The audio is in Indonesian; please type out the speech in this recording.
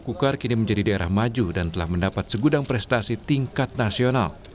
kukar kini menjadi daerah maju dan telah mendapat segudang prestasi tingkat nasional